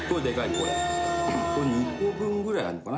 これ、２個分ぐらいあるのかな。